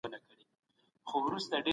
هغه به شراب پلوري.